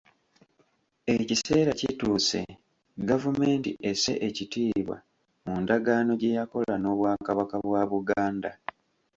Ekiseera kituuse gavumenti esse ekitiibwa mu ndagaano gye yakola n’Obwakabaka bwa Buganda.